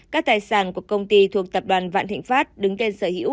các tài sản của công ty thuộc tập đoàn vạn thịnh pháp đứng tên sở hữu